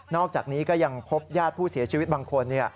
อกจากนี้ก็ยังพบญาติผู้เสียชีวิตบางคน